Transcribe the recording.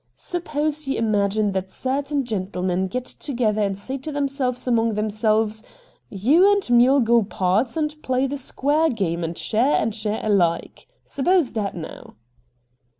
Sup pose you imagine that certain gentlemen get together and say to themselves among them selves, " You and me'U go pards and play the square game and share and share alike." Suppose that now.'